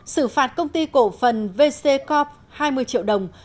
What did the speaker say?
sử phạt công ty cổ phần vc corp hai mươi triệu đồng